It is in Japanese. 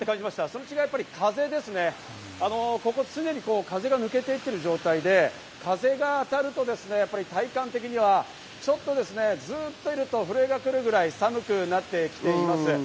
こちら風ですね、常に風が抜けていくという状態で、風が当たると、やはり体感的にはずっといると震えがくるぐらい寒くなってきています。